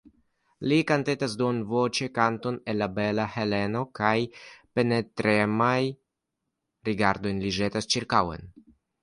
Li kantetas duonvoĉe kanteton el La Bela Heleno, kaj penetremajn rigardojn li ĵetas ĉirkaŭen.